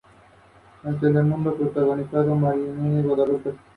Smith respondió convirtiendo a Wu en profesora asociada y aumentando su sueldo.